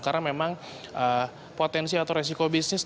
karena memang potensi atau resiko bisnis